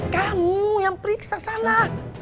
kamu yang periksa sana